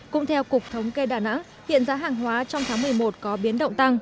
cũng theo cục thống kê đà nẵng hiện giá hàng hóa trong tháng một mươi một có biến động tăng